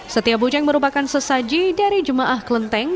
setiap buceng merupakan sesaji dari jemaah klenteng